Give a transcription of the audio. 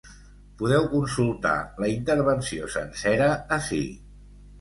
Podeu consultar la intervenció sencera ací.